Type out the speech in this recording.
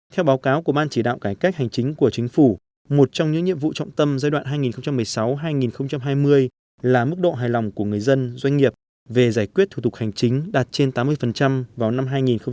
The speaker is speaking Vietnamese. theo báo cáo của ban chỉ đạo cải cách hành chính của chính phủ một trong những nhiệm vụ trọng tâm giai đoạn hai nghìn một mươi sáu hai nghìn hai mươi là mức độ hài lòng của người dân doanh nghiệp về giải quyết thủ tục hành chính đạt trên tám mươi vào năm hai nghìn hai mươi